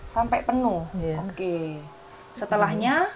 sampai penuh oke setelahnya